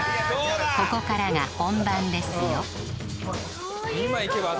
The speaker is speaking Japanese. ここからが本番ですよ